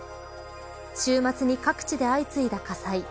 週末に各地で相次いだ火災。